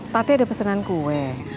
tati ada pesanan kue